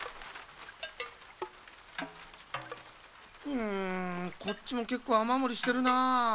うんこっちもけっこうあまもりしてるなあ。